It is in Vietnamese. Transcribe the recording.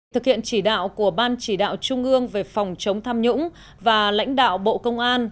thực hiện chỉ đạo của ban chỉ đạo trung ương về phòng chống tham nhũng và lãnh đạo bộ công an